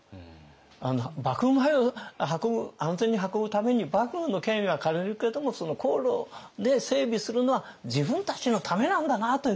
幕府米を安全に運ぶために幕府の権威は借りるけどもその航路で整備するのは自分たちのためなんだなということ。